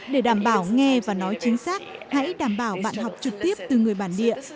để đảm bảo nghe và nói chính xác hãy đảm bảo bạn học trực tiếp từ người bản địa